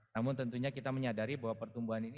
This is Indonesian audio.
namun tentunya kita menyadari bahwa pertumbuhan ini